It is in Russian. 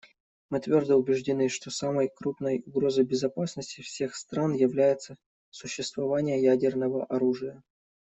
Мы твердо убеждены, что самой крупной угрозой безопасности всех стран является существование ядерного оружия.